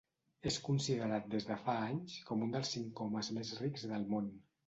És considerat des de fa anys com un dels cinc homes més rics del món.